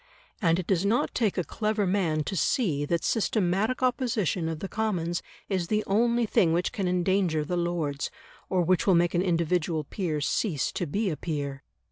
And it does not take a clever man to see that systematic opposition of the Commons is the only thing which can endanger the Lords, or which will make an individual peer cease to be a peer.